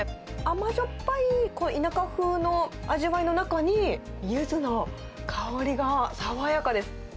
甘じょっぱい田舎風の味わいの中に、ユズの香りが爽やかです。